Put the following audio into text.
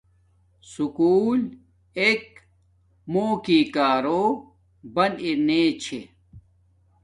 سکُول ایک موں کی کارو بن ارنے چھے